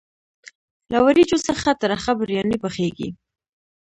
له وریجو څخه ترخه بریاني پخیږي.